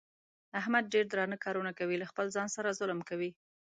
احمد ډېر درانه کارونه کوي. له خپل ځان سره ظلم کوي.